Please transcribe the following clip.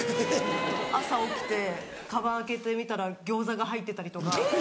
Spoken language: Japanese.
朝起きてカバン開けてみたら餃子が入ってたりとか。